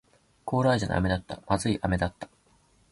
コーラ味の飴だった。不味い飴だった。